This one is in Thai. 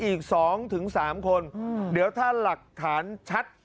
อีก๒๓คนเดี๋ยวถ้าหลักฐานชัด